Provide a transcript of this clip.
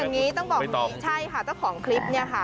ยังงี้ต้องบอกมีใช่ค่ะเจ้าของคลิปเนี่ยค่ะ